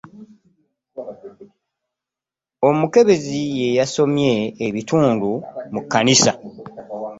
Omukebezi ye yasomye ebitundu mu kkanisa.